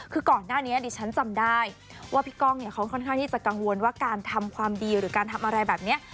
คือก่อนหน้านี้ดิฉันจำได้ว่าพี่ก้องเนี่ยเขาค่อนข้างที่จะกังวลว่าการทำความดีหรือการทำอะไรแบบนี้